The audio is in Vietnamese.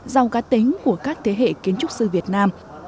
giàu cá tính của các thế hệ kiến trúc sư việt nam